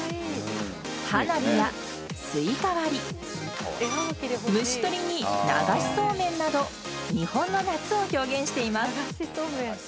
花火やスイカ割り虫とりに流しそうめんなど日本の夏を表現しています。